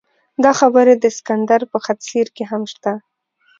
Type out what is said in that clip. دا خبرې د سکندر په خط سیر کې هم شته.